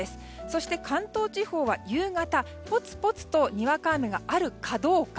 そして関東地方は夕方ぽつぽつとにわか雨があるかどうか。